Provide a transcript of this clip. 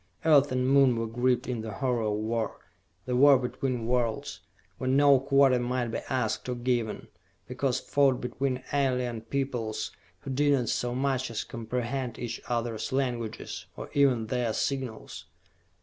Earth and Moon were gripped in the horror of war, the war between worlds, where no quarter might be asked or given, because fought between alien peoples who did not so much as comprehend each other's languages, or even their signals.